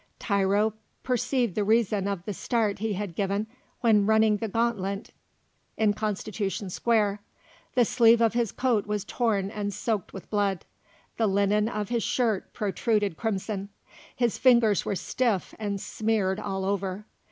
Tiro perceived the reason of the start he had given when running the gauntlet in Constitution Square. The sleeve of his coat was torn and soaked with blood; the linen of his shirt protruded crimson; his fingers were stiff and smeared all over.